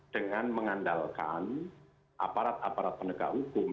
dengan mengandalkan aparat aparat penegak hukum